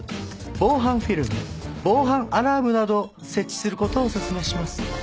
防犯フィルム防犯アラームなどを設置する事をお勧めします。